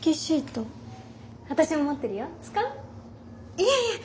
いえいえ！